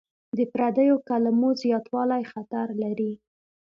د پردیو کلمو زیاتوالی خطر لري.